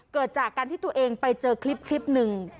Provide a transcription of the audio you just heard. เกิดจากการที่ตัวเองไปเจอคลิปหนึ่ง